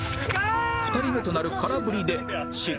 ２人目となる空振りで失格